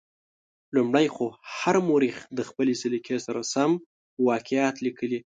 لومړی خو هر مورخ د خپلې سلیقې سره سم واقعات لیکلي.